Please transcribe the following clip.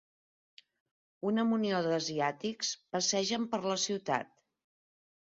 Una munió d'asiàtics passegen per la ciutat.